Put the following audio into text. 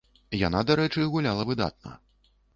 Яна, дарэчы, гуляла выдатна.